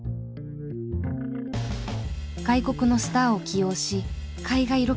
外国のスターを起用し海外ロケの第一人者。